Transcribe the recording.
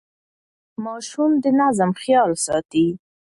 ماشومان د نظم خیال ساتي.